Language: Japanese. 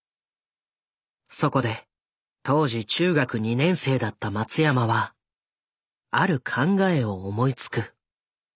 そこで当時中学２年生だった松山はある考えを思いつく。